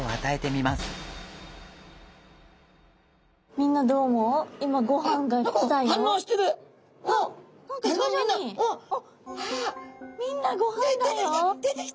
みんなごはんだよ！